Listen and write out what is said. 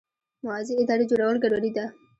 موازي ادارې جوړول ګډوډي ده.